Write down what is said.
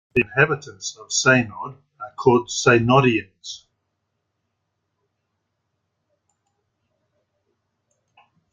The inhabitants of Seynod are called Seynodiens.